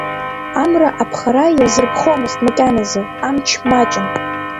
Амра аԥхара иазырԥхомызт макьаназы, амч маҷын.